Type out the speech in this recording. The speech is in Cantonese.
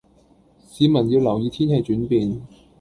市民要留意天氣轉變